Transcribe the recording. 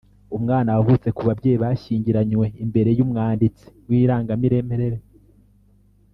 umwana wavutse ku babyeyi bashyingiranywe imbere y’umwanditsi w’irangamimerere.